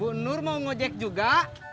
bu nur mau ngejek juga